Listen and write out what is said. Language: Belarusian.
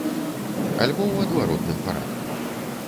Альбо ў адваротным парадку.